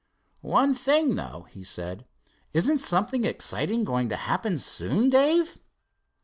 "One thing, though," he said; "isn't something exciting going to happen soon, Dave?"